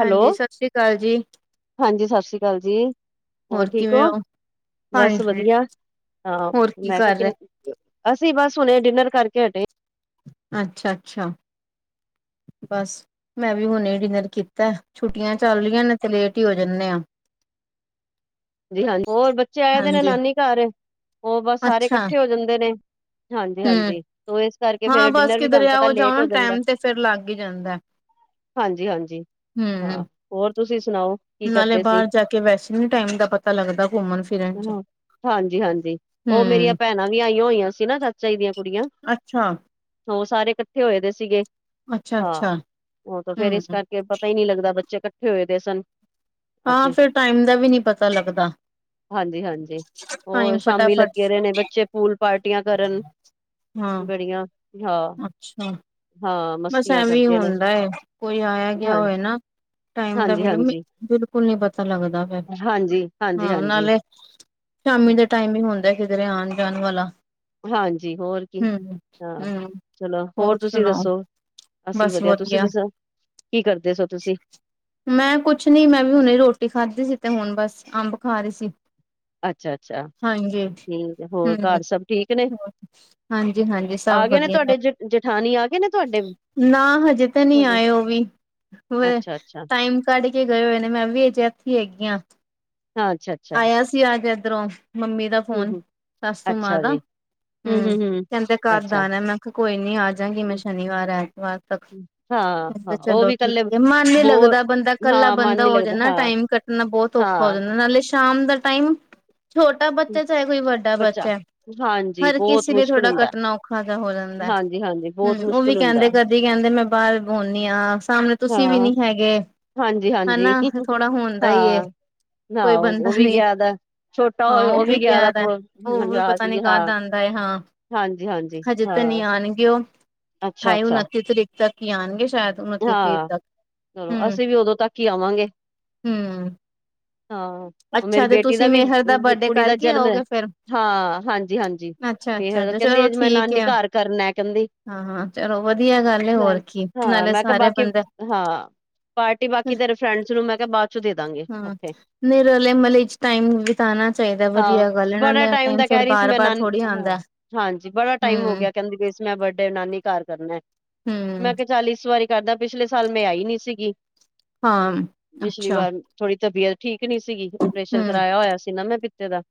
Hello ਸਤਿ ਸ੍ਰੀ ਅਕਾਲ ਜੀ। ਹਾਂਜੀ। ਸਤਿ ਸ਼੍ਰੀ ਅਕਾਲ ਜੀ। ਹੋਰ ਠੀਕ ਹੋ। ਬਸ ਹਾਂਜੀ ਵਧੀਆ। ਆਹ ਹੋਰ ਕੀ ਮੈਂ ਕਰ ਰਹੇ ਕਿਹਾ ਕਿ ਅਸੀਂ ਬਸ ਹੁਣੇ ਡਿਨਰ ਕਰਕੇ ਹਟੇ। ਅੱਛਾ, ਅੱਛਾ। ਬਸ। ਮੈਂ ਵੀ ਹੁਣੇ ਹੀ ਡਿਨਰ ਕੀਤੈ ਛੁੱਟੀਆਂ ਚੱਲ ਰਹੀਐ ਨੇ ਤੇ ਲੇਟ ਹੀ ਹੋ ਜਾਂਨੇ ਆ। [inaudible] ਜੀ ਹਾਂਜੀ ਹੋਰ ਬੱਚੇ ਆਏ ਦੇ ਨੇ ਹਾਂਜੀ ਨਾਨੀ ਘਰ ਉਹ ਬਸ ਸਾਰੇ ਅੱਛਾ ਇਕੱਠੇ ਹੋ ਜਾਂਦੇ ਨੇ। ਹਾਂਜੀ, ਹਮ ਹਾਂਜੀ। ਤੋ ਇਸ ਕਰਕੇ ਹਾਂ ਫਿਰ ਬਸ ਡਿਨਰ ਵੀ ਕਿਧਰੇ ਤੁਹਾਨੂੰ ਪਤੈ ਆਓ ਜਾਓ ਲੇਟ ਹੋ ਨਾ ਜਾਂਦੈ। ਟਾਈਮ ਤੇ ਫੇਰ ਲੱਗ ਹੀ ਜਾਂਦਾ ਹਾਂਜੀ, ਹਾਂਜੀ। ਹਾਂ ਹਮ ਹੋਰ ਤੁਸੀਂ ਸੁਣਾਓ। ਕੀ ਕਰਦੇ ਸੀ? ਕਿ ਵੈਸ਼ ਨੀ ਟਾਈਮ ਦਾ ਪਤਾ ਲੱਗਦਾ ਫੋਨ ਚ ਹਾਂਜੀ, ਹਾਂਜੀ। ਉਹ ਮੇਰੀਆਂ ਹਮ ਭੈਣਾਂ ਵੀ ਆਈਆਂ ਹੋਈਆਂ ਸੀ ਨਾ ਚਾਚਾ ਜੀ ਦੀਆਂ ਕੁੜੀਆਂ। ਅੱਛਾ। ਉਹ ਸਾਰੇ ਇਕੱਠੇ ਹੋਏ ਦੇ ਸੀਗੇ। ਅੱਛਾ ਹਾਂ। ਅੱਛਾ ਉਹ ਤਾਂ ਫੇਰ ਹਮ ਇਸ ਕਰਕੇ ਪਤਾ ਹੀ ਨਹੀਂ ਲੱਗਦਾ। ਬੱਚੇ ਇਕੱਠੇ ਹੋਏ ਦੇ ਸਨ। ਅੱਜ ਹਾਂ, ਫੇਰ ਟਾਈਮ ਦਾ ਵੀ ਨਹੀਂ ਪਤਾ ਲੱਗਦਾ। ਹਾਂਜੀ- ਹਾਂਜੀ। ਹੋਰ ਟਾਈਮ ਸ਼ਾਮੀ ਫਟਾਫਟ ਲੱਗੇ ਰਹੇ ਨੇ ਬੱਚੇ ਪੂਲ ਪਾਰਟੀਆਂ ਕਰਨ। ਹਾਂ ਬੜੀਆ। ਅੱਛਾ। ਬਸ ਮਸਤੀਆਂ ਐਵੇਂ ਕਰਦੇ ਨੇ ਹੁੰਦਾ ਹੈ। ਕੋਈ ਆਇਆ- ਗਿਆ ਹਾਂ ਹੋਏ ਨਾ। ਟਾਈਮ ਦਾ ਮ ਹਾਂਜੀ-ਹਾਂਜੀ, ਬੁ ਸਕੁਲ ਨੀ ਪਤਾ ਲੱਗਦਾ ਪੈਆ। ਹਾਂਜੀ, ਹਾਂਜੀ-ਹਾਂਜੀ ਹਾਂ, ਹਾਂਜੀ ਨਾਲੇ ਸ਼ਾਮੀ ਦੇ। ਹਾਂਜੀ ਟਾਈਮਿੰਗ ਹੁੰਦਾ, ਕਿਧਰੇ ਆਉਣ- ਜਾਣ ਵਾਲਾ। ਹਾਂਜੀ ਹੋਰ ਕੀ ਹੂੰ- ਹਾਂ ਹੂੰ, ਚਲੋ ਹੋਰ ਤੁਸੀਂ ਸੁਣਾਓ? ਦੱਸੋ ਅਸੀਂ ਵਧੀਆ। ਤੁਸੀਂ ਦੱਸੋ ਕੀ ਕਰਦੇ ਸੋ ਤੁਸੀਂ? ਮੈਂ ਕੁਛ ਨੀ, ਮੈਂ ਵੀ ਹੁਣੇ ਰੋਟੀ ਖਾਧੀ ਸੀ। ਤੇ ਹੁਣ ਬਸ ਅੰਬ ਖਾ ਰਹੀ ਸੀ। ਅੱਛਾ-ਅੱਛਾ ਹਾਂਜੀ। ਠੀਕ ਹੈ ਹੋਰ ਹੂੰ। ਘਰ ਸਭ ਠੀਕ ਨੇ ਹਾਂਜੀ - ਹਾਂਜੀ। ਆ ਸਭ ਗਏ ਨੇ ਵਧੀਆ। ਤੁਹਾਡੇ ਜ ਜਠਾਣੀ ਆ ਗਏ ਨੇ। ਤੁਹਾਡੇ ਨਾ, ਹਜੇ ਤੇ ਨਹੀਂ ਆਏ ਉਹ ਵੀ, ਵਹ ਅੱਛਾ-ਅੱਛਾ ਟਾਈਮ ਛੱਡ ਕੇ ਗਏ ਹੋਏ ਨੇ। ਮੈਂ ਵੀ ਇੱਥੇ ਹੀ ਹੈਗੀ ਹਾ। ਹਾਂ। ਅੱਛਾ - ਅੱਛਾ। ਤੁਸੀ ਅਜੋ ਇਧਰੋਂ। ਮੰਮੀ ਦਾ ਫੋਨ, ਸਾਸੂ ਮਾਂ ਅੱਛਾ ਦਾ। ਜੀ ਹੂੰ, ਹੂੰ-ਹੂੰ-ਹੂੰ ਕਹਿੰਦੇ ਕਘਰ ਅੱਛਾ ਆਣਾ। ਮੈਂ ਕਿਹਾ, ਕੋਈ ਨੀ, ਆ ਜਾਗੀ ਮੈਂ ਸ਼ ਵਾਰ - ਐਤਵਾਰ ਤੱਕ ਹਾਂ ਹਾਂ ਉਹ ਚਲੋ, ਵੀ ਠੀਕ। ਇਕੱਲੇ ਮਨ ਨੀ ਬੋਰ ਲੱਗਦਾ ਬੰਦਾ ਕੱਲਾ ਹਾਂ ਮਨ ਬੰਦਾ ਨੀ ਹੋ ਲੱਗਦਾ ਜਾਂਦਾ। ਹਾਂ ਟਾਈਮ ਕੱਟਣਾ ਬਹੁਤ ਔਖਾ ਹੋ ਹਾਂ ਜਾਂਦਾ। ਨਾਲੇ ਸ਼ਾਮ ਦਾ ਟਾਈਮ ਛੋਟਾ ਬੱਚਾ ਚਾਹੇ, ਕੋਈ ਵੱਡਾ ਬੱਚਾ ਹੈ। ਹਾਂਜੀ ਹਰ ਬਹੁਤ ਕਿਸੀ ਨੇ ਮੁਸ਼ਕਿਲ ਥੋੜਾਂ ਹੁੰਦਾ ਹੈ। ਕਟਣਾ। ਔਖਾ ਤਾਂ ਹੋ ਜਾਂਦਾ। ਹਾਂਜੀ ਹਾਂਜੀ ਬਹੁਤ ਹੂੰ, ਉਹ ਵੀ ਮੁਸ਼ਕਿਲ ਹੁੰਦਾ ਕਹਿੰਦੇ ਹੈ। ਕਦੀ ਕਹਿੰਦੇ ਮੈਂ ਬਾਹਰ ਬਦੀ ਹਾਂ। ਸਾਹਮਣੇ ਤੁਸੀਂ ਵੀ ਹਾਂ ਨੀ ਹੈਗੇ। ਹਾਂਜੀ ਹਾਂਜੀ ਹਨਾ। ਥੋੜਾ ਹੁੰਦਾ ਈ ਏ। ਹਾਂ ਨਾ ਕੋਈ ਉਹ ਬੰਦਾ ਉਹ ਵੀ ਨੀ। ਗਿਆ ਦਾ ਛੋਟਾ ਹਾਂ। ਉਹ ਵੀ ਗਿਆ ਦਾ ਪ- ਉਹ ਵੀ ਮਨਰਾਜ ਪਤਾ ਨੀ ਕਾਦ ਹਾਂ ਆਉਂਦਾ ਹੈ। ਹਾਂ। ਹਾਂਜੀ ਹਾਂਜੀ ਹਜੇ ਤਾਂ ਹਾਂ ਨਹੀਂ ਆਉਣਗੇ। ਉਹ ਅੱਛਾ ਅਠਾਈ- ਅੱਛਾ ਉਨੱਤੀ ਤਰੀਕ ਤੱਕ ਹੀ ਆਉਣਗੇ, ਸ਼ਾਇਦ। ਉਨੱਤੀ ਤਰੀਕ ਹਾਂ, ਤੱਕ ਹੂੰ ਅਸੀਂ ਵੀ ਉਦੋਂ ਤੱਕ ਹੀ ਆਵਾਂਗੇ। ਹੂੰ ਹਾਂ। ਹੁਣ ਮੇਰੀ ਅੱਛਾ ਤੇ ਬੇਟੀ ਤੁਸੀਂ ਦਾ ਵੀ ਮੇਹਰ ਬਰਡੇ ਕੁੜੀ ਦਾ ਕਰਕੇ ਜਨਮ ਹੈ। ਆਓਗੇ ਫੇਰ ਹਾਂ। ਹਾਂਜੀ- ਹਾਂਜੀ ਅੱਛਾ ਅੱਛਾ ਮੇਹਰ ਅੱਛਾ ਕੇਹਂਦੀ, ਚਲੋ ਅੱਜ ਮੈਂ ਠੀਕ ਨਾਨੀ ਹੈ ਘਰ ਕਰਨਾ ਕਹਿੰਦੀ। ਹਾਂ- ਹਾਂ, ਚਲੋ ਵਧੀਆ ਗੱਲ ਹੈ। ਮੈਂ ਹੋਰ ਕੀ ਹਾਂ ਨਾਲੇ ਮੈਂ ਸਾਰੇ ਬਾਕੀ ਬੰਦੇ ਹਾਂ, ਪਾਰਟੀ ਬਾਕੀ ਤੇਰੇ ਫਰੈਂਡਸ ਨੂੰ ਮੈਂ ਕਿਹਾ, ਬਾਅਦ ਚ' ਦੇ ਦਾਂਗੇ ਓਥੇ। ਰਲੇਮਲੇ ਚ' ਟਾਈਮ ਬੀਤਾਂਣਾ ਚਾਹੀਦਾ। ਹਾਂ ਵਧੀਆ ਗੱਲ ਹੈ ਨਾ ਬੜਾ ਲੈਨ- ਦੇਣ ਫਿਰ ਬਾਰ- ਬਾਰ ਥੋੜ੍ਹੀ ਆਦਾ। ਹਾਜੀ। ਬੜਾ ਟਾਈਮ ਹੋ ਗਿਆ। ਕਹਿੰਦੀ ਪਈ ਸੀ, ਮੈਂ ਬਰਡੇ ਨਾਨੀ ਘਰ ਕਰਨੈ। ਮੈਂ ਹੂੰ ਕਿਹਾ, ਚੱਲ ਇਸ ਵਾਰੀ ਕਰਦਾ, ਪਿਛਲੇ ਸਾਲ ਮੈਂ ਆਈ ਨੀ ਸੀਗੀ। ਹਾਂ ਪਿਛਲੀ ਅੱਛਾ ਵਾਰ। ਥੋੜ੍ਹੀ ਤਬੀਅਤ ਠੀਕ ਨੀ ਸੀਗੀ। ਪਰੇਸ਼ਨ ਹੂੰ ਕਰਵਾਾਇਆ ਹੋਇਆ ਸੀ ਨਾ, ਮੈਂ ਪਿੱਤੇ ਦਾ।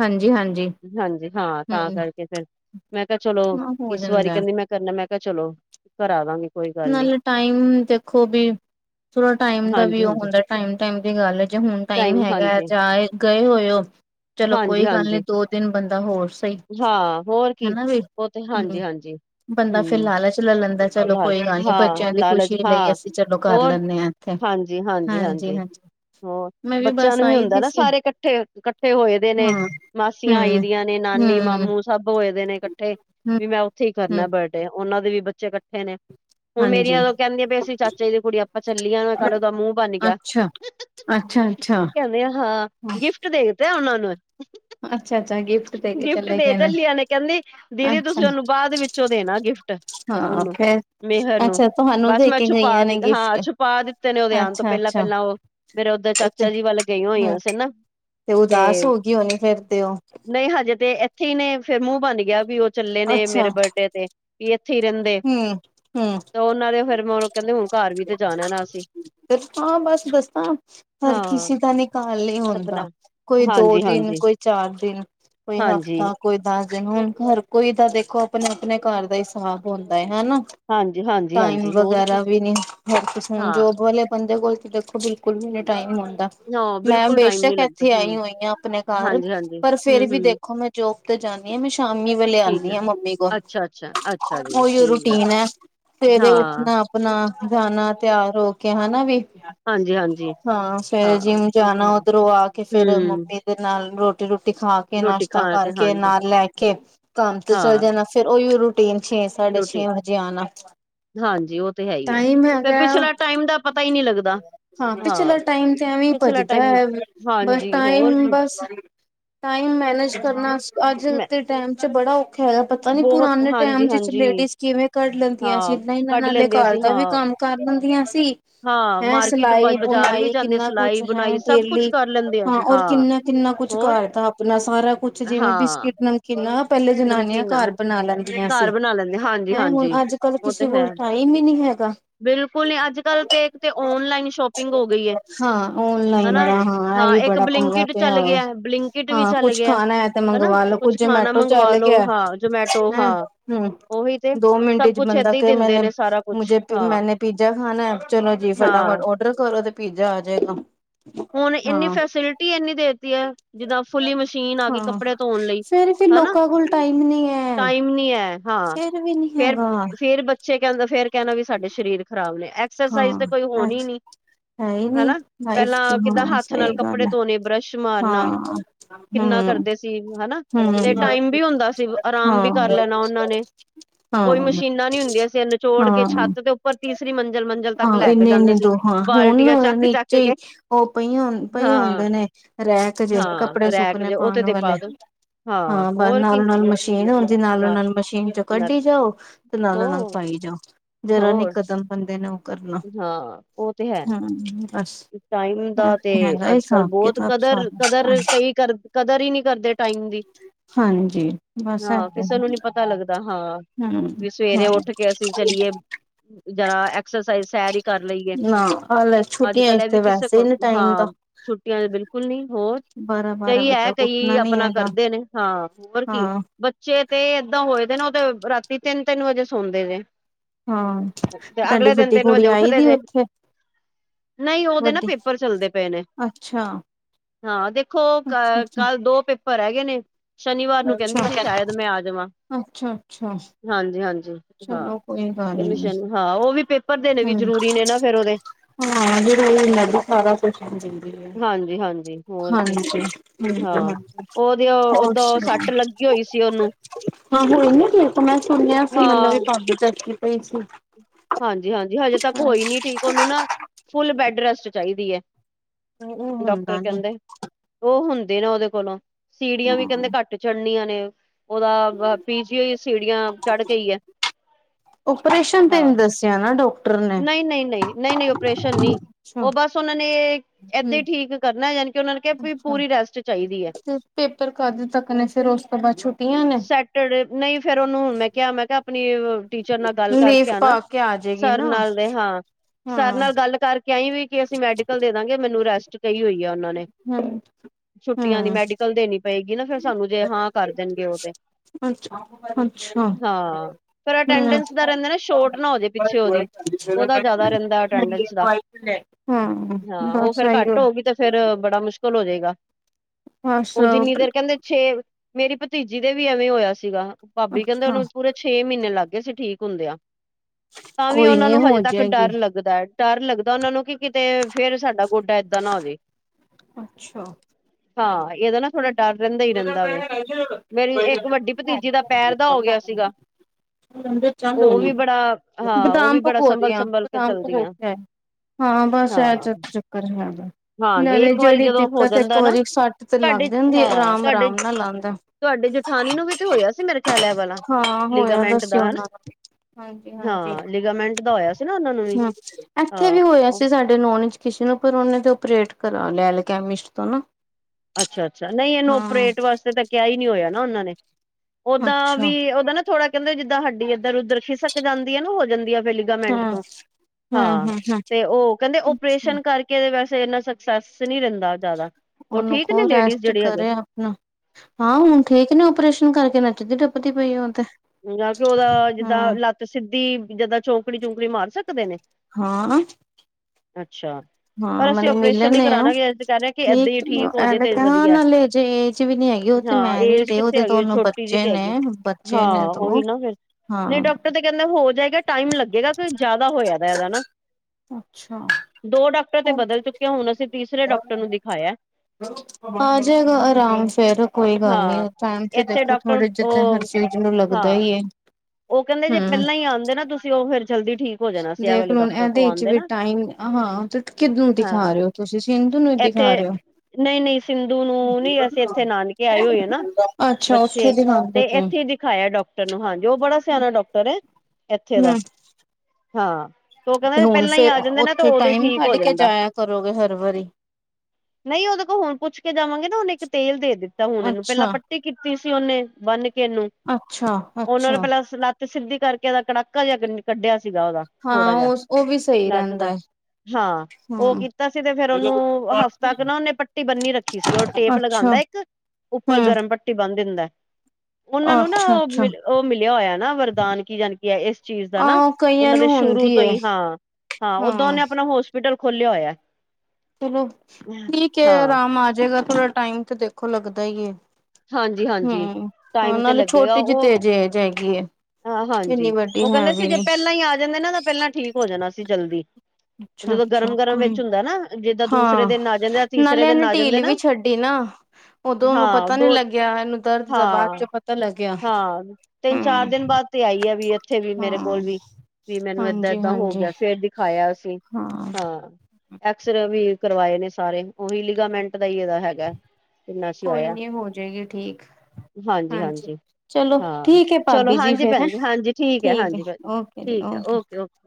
ਹਾਂਜੀ ਹਾਂਜੀ ਹਾਂਜੀ ਹਾਂ, ਤਾਂ ਹੂੰ ਕਰਕੇ ਫਿਰ ਮੈਂ ਕਿਹਾ, ਚਲੋ ਹੋ ਇਸ ਵਾਰੀ ਜਾਂਦਾ ਕਹਿੰਦੀ ਮੈਂ ਕਰਨਾ। ਮੈਂ ਕਿਹਾ ਚਲੋ, ਕਰਾ ਦਾਂਗੀ ਕੋਈ ਗੱਲ ਨੀ ਨਾਲੇ ਟਾਈਮ ਦੇਖੋ ਬੀ। ਥੋੜ੍ਹਾ ਟਾਈਮ ਦਾ ਹਾਂਜੀ ਵੀ ਉਹ ਹਾਂਜੀ ਹੁੰਦਾ। ਟਾਈਮ - ਟਾਈਮ ਦੀ ਗੱਲ। ਜੇ ਹੁਣ ਟਾਈਮ ਹੈਗਾ, ਜਾ ਗਏ ਹੋਏ ਹੋ। ਚਲੋ, ਕੋਈ ਹਾਂਜੀ ਗੱਲ ਨਹੀਂ। ਹਾਂਜੀ ਦੋ - ਤਿੰਨ ਬੰਦਾ ਹੋਰ ਸਹੀ, ਹਾਂ ਹੋਰ ਕੀ ਹਨਾ ਬਈ। ਉਹ ਤੇ, ਹਾਂਜੀ- ਹਾਂਜੀ। ਬੰਦਾ ਫਿਰ ਹਮ ਲਾਲਚ ਲੈ ਲੈਂਦਾ, ਚਲੋ। ਫਿਲਹਾਲ ਕੋਈ ਗੱਲ ਨਹੀਂ। ਹਾਂ ਬੱਚਿਆਂ ਦੀ ਲਾਲਚ ਖੁਸ਼ੀ ਲਈ ਹਾਂ ਅਸੀਂ ਚਲੋ, ਘਰ ਹੋਰ ਲੈਂਨੇ ਹਾਂ। ਇੱਥੇ, ਹਾਂਜੀ - ਹਾਂਜੀ। ਹੋਰ ਮੈਂ ਬੱਚਿਆਂ ਬਸ ਨੂੰ ਵੀ ਆਈ ਹੁੰਦਾ ਦੀ ਨਾ। ਸੀ ਸਾਰੇ ਕੱਠੇ - ਕੱਠੇ ਹੋਏ ਦੇ ਨੇ। ਹਾਂ ਮਾ ਧੀਆਂ ਆਈਆ ਹਮ ਦੀਆਂ ਨੇ, ਨਾਨੀ, ਹਮ ਮਾਮੂ ਸਭ ਹੋਏ ਦੇ ਨੇ ਕੱਠੇ। ਬਈ, ਹਮ ਮੈਂ ਉੱਥੇ ਹੀ ਕਰਨਾ ਹਮ ਬਰਡ ਤੇ ਉਹਨਾਂ ਦੇ ਵੀ ਬੱਚੇ ਇਕੱਠੇ ਨੇ। ਹੁਣ ਹਾਂਜੀ ਮੇਰੀਆਂ ਕਹਿੰਦੀਆਂ ਪਈਆ ਸੀ, ਚਾਚੇ ਦੀਆ ਕੁੜੀਆ। ਆਪਾਂ ਚੱਲੀਏ ਕੱਲ, ਉਹਦਾ ਮੂੰਹ ਬਣ ਗਿਆ। ਅੱਛਾ ਅੱਛਾ ਅੱਛਾ ਕਹਿੰਦੇ ਹਾਂ ਗਿਫਟ ਦੇਖਦੇ ਉਹਨਾਂ ਨੂੰ ਇਹ। ਅੱਛਾ ਅੱਛਾ ਗਿਫਟ ਦੇ ਕੇ ਗਿਫਟ ਚਲੇ ਦੇ ਗਏ ਲਿਆ ਨੇ ਕਹਿੰਦੀ ਦੀਦੀ ਅੱਛਾ ਤੁਸੀਂ ਉਹਨੂੰ ਬਾਅਦ ਵਿੱਚੋਂ ਦੇਣਾ ਗਿਫਟ। ਹਾਂ ਉਹਨੂੰ ਖੈਰ ਮੇਹਰ ਨੂੰ ਬਸ ਮੈਂ ਛੁਪਾ ਦਿੱਤੇ ਹਾਂ ਗਿਫਟ ਛੁਪਾ ਦਿੱਤੇ ਨੇ ਉਹਦੇ ਆਨ ਤੋਂ ਅੱਛਾ ਪਹਿਲਾਂ - ਅੱਛਾ ਪਹਿਲਾਂ ਉਹ। ਮੇਰੇ ਉਧਰ ਤੇ ਚਾਚਾ ਜੀ ਵੱਲ ਗਈਆਂ ਹੂੰ ਹੋਈਆਂ ਸੀ ਨਾ? ਤੇ ਉਦਾਸ ਹੋ ਗਈ ਹੋਣੀ ਫਿਰ ਤੇ ਉਹ। ਨਹੀਂ ਹਜੇ ਤੇ ਏਥੇ ਹੀ ਨੇ ਫਿਰ ਮੂੰਹ ਬਣ ਗਿਆ ਵੀ ਉਹ ਚੱਲੇ ਨੇ ਮੇਰੇ ਬਰਡੇ 'ਤੇ। ਕੀ ਇੱਥੇ ਹੀ ਰਹਿੰਦੇ? ਹੂ,,, ਤਾਂ ਉਹਨਾਂ ਦੇ ਫਿਰ ਮਰ ਕਹਿੰਦੇ ਹੁਣ ਘਰ ਵੀ ਤੇ ਜਾਣਾ ਨਾ ਅਸੀਂ ਫਿਰ ਹਾਂ ਬਸ ਦੱਸਾਂ ਹਰ ਹਾਂ ਕਿਸੇ ਦਾ ਨਿਕਾਲੇ ਹੁੰਦਾ ਸਪਨਾ ਕੋਈ ਦੋ ਹਾਂਜੀ, ਦਿਨ ਹਾਂਜੀ, ਕੋਈ ਚਾਰ ਦਿਨ ਕੋਈ ਹਾਂਜੀ, ਹਫ਼ਤਾ ਕੋਈ ਦੱਸ ਦਿਣ ਹੁਣ ਹਰ ਕੋਈ ਤਾਂ ਦੇਖੋ ਆਪਣੇ ਆਪਣੇ ਘਰ ਦਾ ਹਿਸਾਬ ਹੁੰਦਾ ਹੈ ਹਨਾ ਹਾਂਜੀ, ਹਾਂਜੀ, ਟਾਈਮ ਹਾਂਜੀ ਹੋਰ ਕੀ। ਵਗੈਰਾ ਵੀ ਨਹੀਂ ਹੈ ਹੁਣ ਹਾਂ, ਜੋਬ ਵਾਲੇ ਬੰਦੇ ਕੋਲ ਦੇਖੋ ਬਿਲਕੁਲ ਵੀ ਟਾਈਮ ਹੁੰਦਾ ਹਾਂ ਮੈਂ ਬਿਲਕੁਲ ਟਾਈਮ ਨੀ ਬੇਸਕ ਲੱਗਦਾ ਇੱਥੇ ਹੂੰ, ਆਈ ਹੋਈ ਹਾਂ ਆਪਣੇ ਘਰ ਹਾਂਜੀ, ਹਾਂਜੀ, ਪਰ ਹੂੰ, ਫਿਰ ਵੀ ਦੇਖੋ ਹੂੰ ਦੇਖੋ ਮੈਂ ਜੋਬ ਤੇ ਜਾਂਦੀ ਹਾਂ ਮੈਂ ਸ਼ਾਮੀ ਵੇਲੇ ਠੀਕ ਆਂਦੀ ਆ। ਹਾਂ ਮੰਮੀ ਕੋਲ ਅੱਛਾ, ਅੱਛਾ, ਅੱਛਾ ਉਧਰ ਜੀ ਕੋਈ ਠੀਕ ਆ ਰੂਟੀਨ ਹੈ ਸਵੇਰੇ ਹਾਂ, ਉੱਠਣਾ ਆਪਣਾ ਜਾਣਾ ਤਿਆਰ ਹੋ ਕੇ ਹਨਾ ਵੀ ਹਾਂਜੀ, ਹਾਂਜੀ ਹਾਂ ਫਿਰ ਜਿਮ ਉਹ ਤੇ ਜਾਣਾ ਹੈ। ਉੱਧਰੋਂ ਆ ਕੇ ਫਿਰ ਹੂੰ, ਮੰਮੀ ਨਾਲ ਰੋਟੀ ਰੂਟੀ ਖਾ ਕੇ ਰੋਟੀ ਨਾਸ਼ਤਾ ਖਾ ਕੇ ਕਰਕੇ ਹਾਂਜੀ, ਨਾਲ ਲੈ ਕੇ ਕੰਮ ਤੇ ਚਲ ਹਾਂ ਜਾਣਾ ਫਿਰ ਉਹੀ ਰੂਟੀਨ ਛੇ ਸਾਢੇ ਛੇ ਰੋਟੀ ਵਜੇ ਆਉਣਾ ਹਾਂਜੀ ਉਹ ਤੇ ਹੈ ਹੀ ਹੈ ਤੇ ਪਿਛਲਾ ਟਾਈਮ ਦਾ ਪਤਾ ਹੀ ਨਹੀਂ ਲੱਗਦਾ ਹਾਂ ਪਿਛਲਾ ਟਾਈਮ ਤੇ ਐਵੇਂ ਪਿਛਲਾ ਭੱਜਦਾ ਟਾਈਮ ਨੀ ਹੈ ਬਸ ਹਾਂਜੀ ਹੋਰ ਟਾਈਮ ਕੀ ਬਸ ਟਾਈਮ ਮੈਨੇਜ ਕਰਨਾ ਅੱਜ ਮੈਂ ਦੇ ਟਾਈਮ 'ਚ ਬੜਾ ਔਖਾ ਹੈਗਾ। ਪਤਾ ਨੀ ਬਹੁਤ ਪੁਰਾਣੇ ਟਾਈਮ ਹਾਂਜੀ, ਹਾਂਜੀ ਲੇਡੀਜ਼ ਕਿਵੇਂ ਕਰ ਲੈਂਦੀਆਂ ਸੀ ਹਾਂ ਨਹੀਂ? ਕੱਢ ਨਾਲੇ ਲੈਂਦੇ ਘਰ ਅਸੀਂ ਦਾ ਵੀ ਹਾਂ ਕੰਮ ਕਰ ਲੈਂਦੀਆਂ ਸੀ। ਹਾਂ ਹੈ ਮਾਰਕੀਟ ਸਿਲਾਈ ਬਾਜ਼ਾਰ ਵੀ ਬੁਣਾਈ ਜਾਂਦੇ ਕਿੰਨਾ ਸਿਲਾਈ ਕੁਛ ਹੈ! ਬੁਣਾਈ ਸਭ ਕੁਛ ਡੇਹਲੀ ਕਰ ਲੈਂਦੇ ਹਾਂ ਅਸੀਂ ਔਰ ਕਿੰਨਾ। ਜਿੰਨਾ ਕੁਛ ਹੋਰ ਘਰ ਤਾਂ ਆਪਣਾ ਸਾਰਾ ਕੁਛ ਜਿਵੇਂ ਹਾਂ ਬਿਸਕਿਟ ਕਿੰਨਾ ਪਹਿਲੇ ਜਨਾਨੀਆਂ ਨਮਕੀਨਾ ਘਰ ਬਣਾ ਲੈਂਦੀ ਘਰ ਬਣਾ ਲੈਂਦੇ ਹਾਂਜੀ ਹਾਂਜੀ ਕੱਲ ਉਹ ਤੇ ਕਿਸੇ ਹੈ। ਕੋਲ ਟਾਈਮ ਹੀ ਨਹੀਂ ਹੈਗਾ ਬਿਲਕੁਲ ਨੀ ਅੱਜ ਕੱਲ ਤੇ ਇੱਕ ਤੇ ਔਨਲਾਈਨ ਸ਼ੋਪਿੰਗ ਹੋ ਗਈ ਹੈ ਹਾਂ ਓਨਲਾਈਨ ਹਨਾ ਦਾ ਇਹ ਹਾਂ ਵੀ ਇੱਕ ਬੜਾ ਪੰਗਾ ਬਲਿੰਕਡ ਪਿਆ ਚੱਲ ਹੋਇਆ। ਗਿਆ ਬਲਿੰਕਟ ਵੀ ਹਾਂ ਚੱਲ ਕੁੱਛ ਗਿਆ ਖਾਣਾ ਹੈ ਤੇ ਹਨਾ ਮੰਗਵਾ ਲੋ ਕੁੱਝ ਕੁੱਛ ਖਾਣਾ ਜਮੈਟੋ ਮੰਗਵਾ ਲੋ ਹਾਂ ਜਮੈਟੋ ਹਾਂ ਹੂ ਉਹੀ ਤੇ ਦੋ ਮਿੰਟੇ ਸਭ ਚ ਕੁਛ ਬੰਦਾ ਏਦਾਂ ਹੀ ਕੇ ਦਿੰਦੇ ਮੈਨੇ ਨੇ ਸਾਰਾ ਕੁਛ ਮੁਝੇ ਹਾਂ ਮੈਂ ਪੀਜ਼ਾ ਖਾਣਾ ਹੈ ਚਲੋ ਜੀ ਫਟਾਫਟ ਹਾਂ ਔਡਰ ਕਰੋ ਤੇ ਪੀਜ਼ਾ ਆ ਜਾਏਗਾ ਹੁਣ ਇੰਨੀ ਹਾਂ ਫੈਸਿਲਿਟੀ ਇੰਨੀ ਦੇਤੀ ਹੈ ਜਿੱਦਾਂ ਫੁੱਲੀ ਮਸ਼ੀਨ ਆ ਗਈ ਕੱਪੜੇ ਧੋਣ ਲਈ ਟੈਰੀਫਿਕ ਹਨਾ ਲੋਕਾਂ ਕੋਲ ਟਾਈਮ ਨੀ ਹੈ। ਟਾਈਮ ਨੀ ਹੈ ਹਾਂ ਫੇਰ ਵੀ ਨੀ ਫਿਰ ਹੈਗਾ ਫਿਰ ਬੱਚੇ ਕਹਿੰਦਾ ਫਿਰ ਕਹਿਣਾ ਵੀ ਸਾਡੇ ਸਰੀਰ ਖਰਾਬ ਨੇ ਹਾਂ। ਐਕਸਰਸਾਈਜ਼ ਤੇ ਕੋਈ ਹੋਣੀ ਹੀ ਨੀ ਹੈ ਹੀ ਨੀ ਹਨਾ ਲਾਈਫ ਚ ਪਹਿਲਾਂ ਕਿੱਦਾਂ ਹਾਂ ਹੱਥ ਨਾਲ ਸਹੀ ਗੱਲ ਕੱਪੜੇ ਹੈ ਧੋਣੇ ਬਰਸ਼ ਮਾਰਨਾ ਹਾਂ। ਕਿੰਨਾ ਹੂੰ ਕਰਦੇ ਸੀ ਹਨਾ ਤੇ ਹੂੰ ਟਾਈਮ ਵੀ ਹੁੰਦਾ ਸੀ ਆਰਾਮ ਵੀ ਕਰ ਹਾਂ ਲੈਣਾ ਉਹਨਾਂ ਨੇ ਕੋਈ ਹਾਂ ਮਸ਼ੀਨਾਂ ਨਹੀਂ ਹੁੰਦੀਆਂ ਸੀ ਨਿਚੋੜ ਕੇ ਹਾਂ। ਛੱਤ ਦੇ ਉੱਪਰ ਤੀਸਰੀ ਮੰਜ਼ਿਲ ਮੰਜ਼ਿਲ ਤੱਕ ਹਾਂ ਲੈ ਕੇ ਇੰਨੇ ਜਾਂਦੇ ਇੰਨੇ ਸੀ। ਦੋ ਹਾਂ ਹੁਣ ਬਾਲਟੀਆਂ ਚੱਕ ਚੱਕ ਨੀਚੇ ਹੀ ਕੇ ਉਹ ਪਈ ਹਾਂ ਹੁੰਦੇ ਨੇ ਰਹਿ ਰੈਕ ਜੇ ਹਾਂ ਕੱਪੜੇ ਰੈਕ ਸੁੱਕਣੇ ਜੇ ਉਹਦੇ ਪਾਉਣ ਤੇ ਵਾਲੇ ਪਾ ਦੋ ਹਾਂ ਬਸ ਹੋਰ ਨਾਲੋਂ ਕੀ ਨਾਲ ਮਸ਼ੀਨ ਹੁੰਦੀ ਨਾਲੋਂ ਨਾ ਨਾਲ ਮਸ਼ੀਨ ਚੋਂ ਨਾ ਕੱਢੀ ਜਾਓ ਤੇ ਹੋ ਨਾਲੋਂ ਨਾਲ ਪਾਈ ਜਾਓ ਜਰਾ ਨੀ ਹੋਰ ਕਦਮ ਬੰਦੇ ਨੇ ਉਹ ਕਰਨਾ ਹਾਂ ਉਹ ਤੇ ਹੈ। ਹਾਂਜੀ ਟਾਈਮ ਦਾ ਤੇ ਅੱਜ ਕੱਲ ਹਿਸਾਬ ਬਹੁਤ ਕਿਤਾਬ ਕਦਰ ਕਦਰ ਸਾਰਾ ਕਈ ਕਰ ਕਦਰ ਹੀ ਨਹੀਂ ਕਰਦੇ ਟਾਈਮ ਦੀ ਹਾਂਜੀ ਬਸ ਹੈ ਹਾਂ ਤੇ ਕਿਸੇ ਨੂੰ ਨੀ ਪਤਾ ਲੱਗਦਾ ਹਾਂ। ਹਮ ਵੀ ਸਵੇਰੇ ਉੱਠ ਕੇ ਅਸੀਂ ਚਲੀਏ ਜਰਾ ਐਕਸਰਸਾਈਜ਼ ਸੈਰ ਹੀ ਕਰ ਲਈਏ। ਹਾਂਲ ਅੱਜ ਕੱਲ੍ਹ ਇਹ ਵੀ ਕਿਸੇ ਕੋਲ ਹਾਂ ਛੁੱਟੀਆਂ ਬਿਲਕੁਲ ਨਹੀਂ ਹੋਰ। ਬਾਰਾਂ ਬਾਰਾਂ ਕਈ ਵਜੇ ਹੈ ਤੱਕ ਕਈ ਉੱਠਣਾ ਨੀ ਆਪਣਾ ਹੈਗਾ ਕਰਦੇ ਨੇ ਹਾਂ ਉਮਰ ਕੀ। ਹਾਂ ਬੱਚੇ ਤੇ ਏਦਾਂ ਹੋਏ ਦੇ ਨਾ ਉਹ ਤੇ ਰਾਤੀ ਤਿੰਨ ਤਿੰਨ ਵਜੇ ਸੌਦੇ ਜੇ। ਹਾਂ ਤੇ ਤੁਹਾਡੀ ਅਗਲੇ ਦਿਨ ਵੱਡੀ ਤਿੰਨ ਕੁੜੀ ਵਜੇ ਆਈ ਉੱਠਦੇ ਦੀ ਜੇ ਉੱਥੇ ਨਹੀਂ ਉਹਦੇ ਨਾ ਵੱਡੀ ਪੇਪਰ ਚੱਲਦੇ ਪਏ ਨੇ। ਅੱਛਾ ਹਾਂ ਦੇਖੋ ਅੱਛਾ ਕੱਲ ਅੱਛਾ ਕੱਲ ਦੋ ਪੇਪਰ ਹੈਗੇ ਨੇ। ਸ਼ਨੀਵਾਰ ਨੂੰ ਕਹਿੰਦੀ ਸੀ ਅੱਛਾ ਸ਼ਾਇਦ ਮੈਂ ਆ ਜਾਵਾਂ। ਅੱਛਾ ਅੱਛਾ ਹਾਂਜੀ ਹਾਂਜੀ ਹਾਂ ਚਲੋ ਕੋਈ ਗੱਲ ਕਹਿੰਦੀ ਨੀ ਸ਼ਨੀਵਾਰ ਹਾਂ ਉਹ ਵੀ ਪੇਪਰ ਦੇਣੇ ਵੀ ਹਮ ਜ਼ਰੂਰੀ ਨੇ ਨਾ ਫੇਰ ਉਹਦੇ। ਹਾਂ ਫੇਰ ਉਹੀਂ ਮੈਂ ਵੀ ਸਾਰਿਆਂ 'ਚ। ਹਾਂਜੀ ਹਾਂਜੀ ਹੋਰ ਕੀ ਹਾਂਜੀ ਹਾਂਜੀ ਹਾਂਜੀ ਹਾਂ ਹਾਂਜੀ ਉਹਦੇ ਹੋਰ ਓਦਾਂ ਸੁਣਾਓ। ਸੱਟ ਲੱਗੀ ਹੋਈ ਸੀ ਉਹਨੂੰ ਹਾਂ ਹੁਣ ਨਹੀਂ ਠੀਕ ਮੈਂ ਸੁਣਿਆ ਸੀ। ਮੈਨੂੰ ਵੀ ਹਾਂ ਭਾਬੀ ਕਹਿ ਕੇ ਗਈ ਸੀ। ਹਾਂਜੀ ਹਾਂਜੀ ਹਜੇ ਤੱਕ ਹੋਈ ਨੀ ਠੀਕ ਉਹਨੂੰ ਨਾ ਫੁੱਲ ਬੈਡ ਰੈਸਟ ਚਾਹੀਦੀ ਹੈ। ਉਹ ਡਾਕਟਰ ਹੁੰਦਾ ਨੀ ਕਹਿੰਦੇ ਉਹ ਹੁੰਦੀ ਨਹੀਂ ਉਹਦੇ ਕੋਲੋਂ ਸੀੜੀਆਂ ਵੀ ਕਹਿੰਦੇ ਘੱਟ ਚੜਨੀਆਂ ਨੇ ਉਹਦਾ ਪੀਜੀ ਹੋਈ ਸੀੜੀਆਂ ਚੜ੍ਹ ਗਈ ਹੈ। ਓਪਰੇਸ਼ਨ ਤੇ ਹਾਂ ਨਹੀਂ ਦੱਸਿਆ ਨਾ ਡਾਕਟਰ ਨੇ ਨਹੀਂ ਨਹੀਂ ਨਹੀਂ ਨਹੀਂ ਨਹੀਂ ਓਪਰੇੇਸ਼ਨ ਨਹੀਂ ਅੱਛਾ ਉਹ ਬਸ ਉਹਨਾਂ ਨੇ ਏਦਾਂ ਹਮ ਹੀ ਠੀਕ ਕਰਨਾ ਯਾਣੀ ਕਿ ਉਹਨਾ ਨੇ ਕਿਹਾ ਵੀ ਅੱਛਾ ਪੂਰੀ ਰੈਸਟ ਚਾਹੀਦੀ ਹੈ। ਤੇ ਪੇਪਰ ਕਦ ਤੱਕ ਨੇ ਫਿਰ ਉਸ ਤੋਂ ਬਾਅਦ ਛੁੱਟੀਆਂ ਨੇ ਸੈਟਰਡੇ ਨਹੀਂ ਫ਼ਿਰ ਉਹਨੂੰ ਮੈਂ ਕਿਹਾ ਮੈਂ ਕਿਹਾ ਆਪਣੀ ਅਹ ਟੀਚਰ ਨਾਲ ਗੱਲ ਲੀਵ ਕਰਕੇ ਆਉਣਾ ਪਾ ਕੇ ਆ ਜਾਏਗੀ ਸਰ ਨਾ ਨਾਲ ਦੇ ਹਾਂ ਸਰ ਹਾਂ ਨਾਲ ਗੱਲ ਕਰਕੇ ਕਈ ਵੀ ਕਿ ਅਸੀਂ ਮੈਡੀਕਲ ਦੇ ਦਾਂਗੇ ਮੈਨੂੰ ਰੈਸਟ ਕਹੀ ਹੋਈ ਹੈ ਉਹਨੇ ਹਮ ਛੁਟੀਆਂ ਦੀ ਹਮ ਮੈਡੀਕਲ ਦੇਣੀ ਪਏਗੀ ਨਾ ਫੇਰ ਸਾਨੂੰ ਜੇ ਹਾਂ ਕਰ ਦੇਣਗੇ। ਹੋ ਤੇ ਅੱਛਾ, ਅੱਛਾ ਹੂੰ। ਹਾਂ ਫਿਰ ਹਾਂ, ਅਟੈਂਡੈਂਸ ਦਾ ਰਹਿੰਦਾ ਨਾ ਸ਼ੋਟ ਨਾ ਉਹਦੀ ਪਿੱਛੇ ਉਹਦੀ ਉਹਦਾ ਜ਼ਿਆਦਾ ਰਹਿੰਦਾ ਅਟੈਡਸ ਦਾ ਹਾਂ ਉਹ ਬਸ ਫੇਰ ਆਈਓ ਘੱਟ ਹੋਗੀ ਤੇ ਫੇਰ ਬੜਾ ਮੁਸ਼ਕਿਲ ਹੋਜੇਗਾ ਬਸ ਉਹ ਜਿੰਨੀ ਦੇਰ ਕਹਿੰਦੇ ਛੇ ਮੇਰੀ ਭਤੀਜੀ ਜਿਹਦੇ ਵੀ ਐਵੇਂ ਹੋਇਆ ਸੀਗਾ ਭਾਬੀ ਕਹਿੰਦੇ ਅੱਛਾ ਉਹਨੂੰ ਪੂਰੇ ਛੇ ਮਹੀਨੇ ਲੱਗ ਗਏ ਸੀ ਠੀਕ ਹੁੰਦਿਆਂ। ਤਾਂ ਵੀ ਕੋਈ ਉਹਨਾਂ ਨੀ ਨੂੰ ਹਜੇ ਹੋ ਤੱਕ ਜਾਏਗੀ। ਡਰ ਲੱਗਦਾ ਹੈ। ਡਰ ਲੱਗਦਾ ਉਹਨਾ ਨੂੰ ਕਿ ਕਿਤੇ ਫੇਰ ਸਾਡਾ ਗੋਡਾ ਏਦਾਂ ਨਾ ਹੋਵੇ। ਅੱਛਾ। ਹਾਂ ਇਹਦਾ ਨਾ ਥੋੜ੍ਹਾ ਡਰ ਰਹਿੰਦਾ ਹੀ ਰਹਿੰਦਾ ਵੇ। ਹੈਗੀ ਮੇਰੀ ਇੱਕ ਵੱਡੀ ਭਤੀਜੀ ਦਾ ਜੀ ਪੈਰ ਨਿਬੜ ਹੋ ਦਾ ਗਿਆ ਕੰਮ। ਸੀਗਾ। ਉਹ ਕਹਿੰਦੇ ਚਲ ਉਹ ਹੁਣੀ ਵੀ ਬੜਾ ਹਾਂ ਉਹ ਬਦਾਮ ਵੀ ਬੜਾ ਭਿਉਂ ਸੰਭਲ ਦੀਆਂ ਸੰਭਲ ਕੇ ਬਦਾਮ ਚੱਲਦੀ ਭਿਉਂ ਆ ਕੇ। ਹਾਂ ਬਸ ਆ ਹਾਂ। ਚੱਕਰ ਚੱਕਰ ਹੈਗਾ। ਹਾਂਜੀ ਨਾਲੇ ਇੱਕ ਵਾਰੀ ਜਿਹੜੀ ਜਦੋਂ ਹੋ ਦਿੱਕਤ ਇੱਕ ਜਾਂਦਾ ਨਾ ਵਾਰੀ ਸੱਟ ਤੇ ਲੱਗ ਤੁਹਾਡੇ ਜਾਂਦੀ ਹਾਂ ਆਰਾਮ ਤੁਹਾਡੇ ਆਰਾਮ ਨਾਲ ਆਉਂਦਾ ਹੈ। ਤੁਹਾਡੇ ਜਠਾਨੀ ਨੂੰ ਵੀ ਤੇ ਹੋਇਆ ਸੀ। ਮੇਰਾ ਖਿਆਲ ਇਹ ਵਾਲਾ ਹਾਂ ਹੋਇਆ ਲੀਗਾਮੈਂਟ ਦਾ ਦੱਸਿਓ ਉਹਨਾਂ ਹਨਾ। ਨੂੰ। ਹਾਂਜੀ-ਹਾਂਜੀ ਹਾਂ ਲਿਗਾਮੈਂਟ ਦਾ ਹੋਇਆ ਸੀ ਨਾ ਉਹਨਾਂ ਨੂੰ ਵੀ ਹੂੰ ਇੱਥੇ ਹਾਂ। ਵੀ ਹੋਇਆ ਸੀ ਸਾਡੇ ਨੌਨ 'ਚ ਕਿਸੇ ਨੂੰ ਪਰ ਉਹਨੇ ਤਾਂ ਓਪਰੇਟ ਕਰਾ ਲਿਆ ਐਲ ਕੈਮਿਸਟ ਤੋਂ ਨ ਅੱਛਾ ਅੱਛਾ ਨਹੀਂ ਇਹਨੂੰ ਓਪਰੇਟ ਵਾਸਤੇ ਤਾਂ ਕਿਹਾ ਹੀ ਨਹੀਂ ਹੋਇਆ ਨਾ ਉਹਨਾਂ ਨੇ। ਓਦਾਂ ਅੱਛਾ। ਵੀ ਉਹਦਾ ਨਾ ਥੋੜਾ ਕਹਿੰਦੇ ਜਿੱਦਾਂ ਹੱਡੀ ਇੱਧਰ ਉੱਧਰ ਖਿਸਕ ਜਾਂਦੀ ਹੈ ਨਾ ਹੋ ਜਾਂਦੀ ਹੈ ਫਹਿਲੀ ਲਿਗਾਮੈਂਟ ਤੋਂ ਹਾਂ ਹੂੰ-ਹੂੰ-ਹੂੰ-ਹੂੰ ਤੇ ਉਹ ਕਹਿੰਦੇ ਅੱਛਾ ਓਪਰੇਸ਼ਨ ਕਰਕੇ ਕਹਿੰਦੇ ਵੈਸੇ ਇੰਨਾ ਸਕਸੈਸ ਨਹੀਂ ਰਹਿੰਦਾ ਜ਼ਿਆਦਾ। ਉਹ ਉਹਨੂੰ ਠੀਕ ਨੇ ਕਹੋ ਲੇਡੀਜ਼ ਰੈਸਟ ਜਿਹੜੇ ਹੈਗੇ ਕਰੇ ਰਾਤ ਨੂੰ। ਹਾਂ ਹੁਣ ਠੀਕ ਨੇ ਓਪਰੇਸ਼ਨ ਕਰਕੇ ਨੱਚਦੀ ਟੱਪਦੀ ਪਈਏ ਉਹ ਤੇ। ਨਾ ਕਿ ਉਹਦਾ ਜਿੱਦਾਂ ਹੂੰ ਲੱਤ ਸਿੱਧੀ ਜਿੱਦਾਂ ਚੌਕੜੀ ਚੂੰਕੜੀ ਮਾਰ ਸਕਦੇ ਨੇ। ਹਾਂ। ਅੱਛਾ। ਪਰ ਅਸੀਂ ਮੈਨੂੰ ਮਿਲੇ ਓਪਰੇਸ਼ਨ ਨਹੀਂ ਨੇ ਉਹ ਕਰਾਉਣਾ ਕਿ ਅਸੀ ਕਹਿ ਰਹੇ ਕਿ ਏਦਾਂ ਹੀ ਠੀਕ ਹੋ ਜੇ ਤੇ ਹਾਂ ਵਧੀਆ। ਨਾਲੇ ਜੇ ਏਜ ਵੀ ਨੀ ਹੈਗੀ ਉਹ ਤੇ ਹਾਂ, ਏਜ ਮੈਰਿਡ ਏ ਕਿੱਥੇ ਉਹਦੇ ਹੈਗੀ, ਦੋਨੋ ਛੋਟੀ ਜਿਹੀ ਬੱਚੇ ਤੇ ਨੇ ਹੈਗੀ। ਬੱਚੇ ਨੇ ਹਾਂ ਦੋ ਉਹੀ ਨਾ ਫੇਰ ਨਹੀਂ ਹਾਂ ਡਾਕਟਰ ਤੇ ਕਹਿੰਦੇ ਹੋ ਜਾਏਗਾ ਟਾਈਮ ਲੱਗੇਗਾ ਕਿਉਂ ਜ਼ਿਆਦਾ ਹੋਇਆ ਪਇਆ ਇਹ ਦਾ ਨਾ। ਅੱਛਾ। ਦੋ ਡਾਕਟਰ ਤੇ ਬਦਲ ਚੁੱਕੇ ਆਂ, ਹੁਣ ਅਸੀਂ ਤੀਸਰੇ ਡਾਕਟਰ ਨੂੰ ਦਿਖਾਇਆ। ਆ ਜਾਏਗਾ ਆਰਾਮ ਫੇਰ ਕੋਈ ਗੱਲ ਨੀ ਹਾਂ ਟਾਈਮ ਤੇ ਇੱਥੇ ਦੇਖੋ ਡਾਕਟਰ ਥੋੜੇ ਜਿੱਥੇ ਹਰ ਉਹ ਚੀਜ਼। ਨੂੰ ਲੱਗਦਾ ਹਾਂ ਈ ਏ। ਉਹ ਕਹਿੰਦੇ ਜੇ ਹੂੰ ਪਹਿਲਾਂ ਹੀ ਆਂਦੇ ਨਾ ਤੁਸੀਂ ਫਿਰ ਜਲਦੀ ਠੀਕ ਹੋ ਜਾਣਾ ਸੀ ਇਹ ਦੇਖ ਵਾਲੇ ਲੋ ਹੁਣ ਡਾਕਟਰ ਕੋਲ ਇਹਦੇ ਚ ਆਉਂਦੇ ਵੀ ਨਾ ਟਾਈਮ ਹਾਂ ਤੇ ਕਿੱਨੂ ਹਾਂ ਦਿਖਾ ਰਹੇ ਹੋ ਤੁਸੀਂ ਸਿੰਧੂ ਨੂੰ ਦਿਖਾ ਰਹੇ ਓ। ਨਈ-ਨਈ ਸਿੰਧੂ ਨੂੰ ਨੀ, ਅਸੀਂ ਇੱਥੇ ਨਾਨਕੇ ਆਏ ਹੋਏ ਆ ਨਾ ਅੱਛਾ ਉੱਥੇ ਬੱਚੇ ਤੇ ਦਿਖਾਂਦੇ ਪਏ ਇੱਥੇ ਦਿਖਾਇਆਂ ਡਾਕਟਰ ਨੂੰ, ਹਾਂਜੀ ਉਹ ਬੜਾ ਸਿਆਣਾ ਡਾਕਟਰ ਐ ਇੱਥੇ ਦਾ, ਹੂੰ ਹਾਂ। ਉਹ ਤੇ ਕਹਿੰਦੇ ਹੁਣ ਪਹਿਲਾਂ ਹੀ ਫੇਰ ਆ ਜਾਂਦੇ ਨਾ ਤੇ ਉੱਥੇ ਉਦੋਂ ਹੀ ਟਾਈਮ ਠੀਕ ਹੋ ਕੱਢ ਕੇ ਜਾਂਦਾ। ਜਾਇਆ ਕਰੋਗੇ ਹਰ ਵਾਰੀ ਨਈ ਉਹਦੇ ਕੋਲ ਹੁਣ ਪੁੱਛ ਕੇ ਜਾਵਾਂਗੇ ਨਾ, ਉਹਨੇ ਇੱਕ ਤੇਲ ਦੇ ਦਿੱਤਾ ਹੁਣ ਇਹਨੂੰ ਪਹਿਲਾਂ ਅੱਛਾ ਪੱਟੀ ਕੀਤੀ ਸੀ ਉਹਨੇ ਬੰਨ੍ਹ ਕੇ ਇਹਨੂੰ ਅੱਛਾ। ਉਹਨਾ ਨੇ ਅੱਛਾ ਪਹਿਲਾਂ ਲੱਤ ਸਿੱਧੀ ਕਰਕੇ ਉਹਦਾ ਕੜਾਕਾ ਜਿ ਕੱਢਿਆ ਸੀਗਾ, ਉਹਦਾ ਹਾਂ ਥੋੜਾ ਜਿਹਾ ਉਹ ਉਹ ਵੀ ਸਹੀ ਲੱਤ ਰਹਿੰਦਾ ਦਾ ਹੈ ਹਾਂ, ਉਹ ਹੂੰ ਕੀਤਾ ਸੀ ਤੇ ਫੇਰ ਉਹਨੂੰ ਹਫ਼ਤਾ ਕ ਨਾ ਉਹਨੇ ਪੱਟੀ ਬੰਨੀ ਰੱਖੀ ਸੀ ਉਹ ਟੇਪ ਅੱਛਾ ਲਗਾਉਂਦਾ ਇੱਕ, ਉੱਪਰ ਹੂੰ ਗਰਮ ਪੱਟੀ ਬੰਨ ਦਿੰਦਾ। ਉਹਨਾਂ ਨੂੰ ਨਾ ਅੱਛਾ ਉਹ ਮ ਅੱਛਾ ਉਹ ਮਿਲਿਆ ਹੋਇਆ ਨਾ ਵਰਦਾਨ ਕੀ ਜਾਨਕੀ ਐ, ਇਸ ਚੀਜ਼ ਦਾ ਨਾ ਆਹੋ ਕਈਆਂ ਉਹਨਾਂ ਦੇ ਨੂੰ ਸ਼ੁਰੂ ਹੁੰਦੀ ਤੋਂ ਏ ਹੀ ਹਾਂ ਹਾਂ, ਓਦਾਂ ਉਹਨੇ ਆਪਣਾ ਹੋਸਪਿਟਲ ਖੋਲਿਆ ਹੋਇਆ। ਚਲੋ ਠੀਕ ਐ, ਹਾਂ ਆਰਾਮ ਆ ਜਾਏਗਾ ਥੋੜਾ ਟਾਈਮ ਤੇ ਦੇਖੋ ਲੱਗਦਾ ਹੀ ਏ ਹਾਂਜੀ ਹਾਂਜੀ ਹੂੰ, ਹਾਂ ਟਾਈਮ ਤੇ ਨਾਲੇ ਲੱਗੇਗਾ ਛੋਟੀ ਜਿਹੀ ਉਹ ਤੇ ਜੇ ਏਜ ਹੈਗੀ ਏ ਹਾਂ ਹਾਂਜੀ। ਉਹ ਕਹਿੰਦੇ ਸੀ ਜੇ ਪਹਿਲਾਂ ਹੀ ਆ ਜਾਂਦੇ ਨਾ ਤਾਂ ਪਹਿਲਾਂ ਠੀਕ ਹੋ ਜਾਣਾ ਸੀ ਜਲਦੀ। ਜਦੋਂ ਗਰਮ ਅੱਛਾ-ਅੱਛਾ, ਗਰਮ ਕੋਈ। ਵਿੱਚ ਹੁੰਦਾ ਨਾ ਜੇ। ਹਾਂ ਨਾਲੇ ਇਹਨੇ ਢੀਲ ਵੀ ਨਾ ਛੱਡੀ ਨਾ, ਉਦੋਂ ਉਹਨੂੰ ਹਾਂ ਪਤਾ ਨੀ ਦੋ ਲੱਗ ਗਿਆ ਇਹਨੂੰ ਦਰਦ ਦਾ ਬਾਅਦ ਹਾਂ ਚ ਪਤਾ ਲੱਗ ਹਾਂ, ਤਿੰਨ ਚਾਰ ਦਿਨ ਬਾਅਦ ਤੇ ਆਈ ਆ ਵੀ ਇੱਥੇ ਵੀ ਮੇਰੇ ਕੋਲ ਹਾਂ ਵੀ ਵੀ ਮੈਨੂੰ ਹਾਂਜੀ ਏਦਾਂ-ਏਦਾਂ ਹੋ ਹਾਂਜੀ ਗਿਆ ਫੇਰ ਦਿਖਾਇਆ ਅਸੀਂ ਹਾਂ। ਐਕਸਰੇ ਵੀ ਕਰਵਾਏ ਨੇ ਸਾਰੇ, ਉਹੀ ਲਿਗਾਾਮੈਂਟ ਦਾ ਹੀ ਇਹਦਾ ਹੈਗਾ। ਕਿੰਨਾ ਸੀ ਕੋਈ ਆਇਆ। ਨੀ ਹੋ ਜਾਏਗੀ ਠੀਕ ਹਾਂਜੀ ਹਾਂਜੀ-ਹਾਂਜੀ। ਚਲੋ ਹਾਂ, ਠੀਕ ਹੈ ਚਲੋ ਭਾਬੀ ਹਾਂਜੀ ਫੇਰ ਹੈ ਭੈਣ ਜੀ, ਹਾਂਜੀ ਠੀਕ ਐ ਹੈ ਹਾਂਜੀ ਭੈਣ ਓਕੇ ਜੀ ਠੀਕ ਐ ਓਕੇ ਓਕੇ-ਓਕੇ।